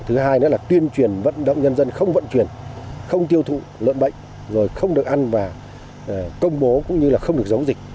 thứ hai nữa là tuyên truyền vận động nhân dân không vận chuyển không tiêu thụ lợn bệnh rồi không được ăn và công bố cũng như là không được giấu dịch